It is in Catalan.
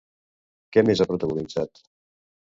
Què més ha protagonitzat?